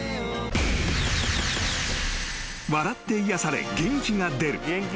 ［笑って癒やされ元気が出る］